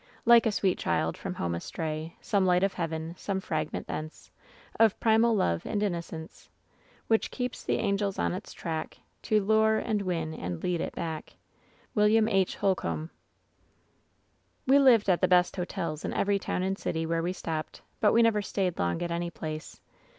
Like a sweet child from home astray — Some light of Heaven, some fragment thence Of primal love and innocence. Which keeps the angels on its track To lure and win and lead it back. — ^Wm. H. Holcombe. "We lived at the best hotels in every town and city where we stopped, but we never stayed long at any place.